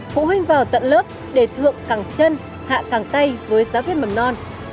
phụ huynh vào tận lớp để thượng cẳng chân hạ cẳng tay với giáo viên mầm non